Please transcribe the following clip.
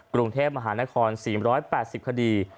กรุงเทพมหานคร๔๘๐คดี